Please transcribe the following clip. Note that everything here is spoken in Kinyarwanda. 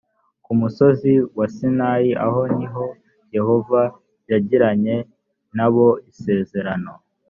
ku musozi wa sinayi aho ni ho yehova yagiranye na bo isezerano.